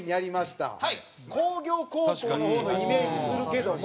工業高校の方のイメージするけども。